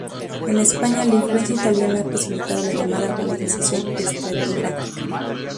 En España, la influencia italiana ha posibilitado la llamada "alfabetización estratigráfica".